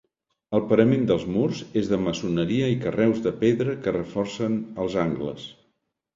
El parament dels murs és de maçoneria i carreus de pedra que reforcen els angles.